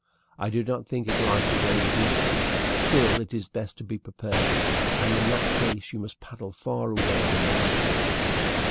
I do not think it likely they will do so; still it is best to be prepared, and in that case you must paddle far away in the recesses.